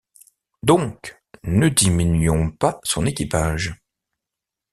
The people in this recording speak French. Donc, ne diminuons pas son équipage.